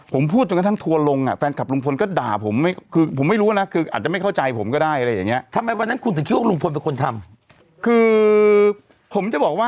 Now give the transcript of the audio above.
ผมพูดจนกระทั่งทัวร์ลงแฟนคลับลุงพลก็ด่าผม